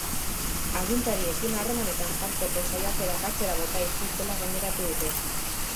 Agintariekin harremanetan jartzeko saiakerak atzera bota dituztela gaineratu dute.